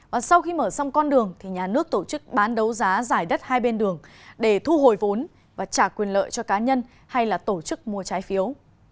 và sau khi mở xong con đường thì nhà nước tổ chức bán đấu giá giải đất hai bên đường để thu hồi vốn và trả quyền lợi cho cá nhân hay là tổ chức mua trái phiếu